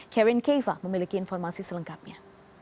karen kaiva memiliki informasi selengkapnya